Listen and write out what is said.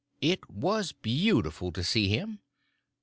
It was beautiful to see him.